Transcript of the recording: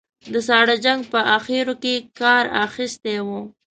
د ساړه جنګ په اخرو کې کار اخیستی و.